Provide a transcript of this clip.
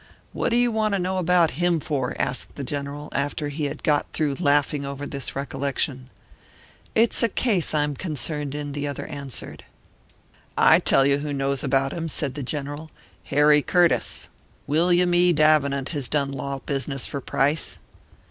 "What do you want to know about him for?" asked the General, after he had got through laughing over this recollection. "It's a case I'm concerned in," the other answered. "I tell you who knows about him," said the General. "Harry Curtiss. William E. Davenant has done law business for Price."